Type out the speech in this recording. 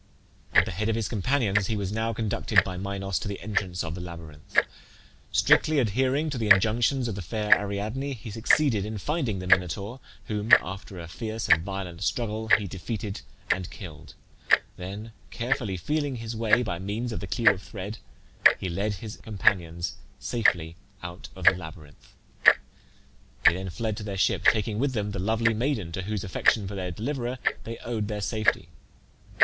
At the head of his companions he was now conducted by Minos to the entrance of the labyrinth. Strictly adhering to the injunctions of the fair Ariadne he succeeded in finding the Minotaur, whom, after a fierce and violent struggle, he defeated and killed; then carefully feeling his way, by means of the clue of thread, he led his companions safely out of the labyrinth. They then fled to their ship, taking with them the lovely maiden to whose affection for their deliverer they owed their safety.